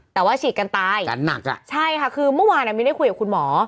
แต่ว่าฉีดกันตายใช่ค่ะคือเมื่อวานนี้ได้คุยกับคุณหมอ